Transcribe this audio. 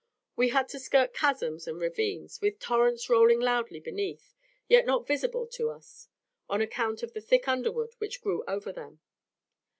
We had to skirt chasms and ravines, with torrents rolling loudly beneath, yet not visible to us, on account of the thick underwood which grew over them.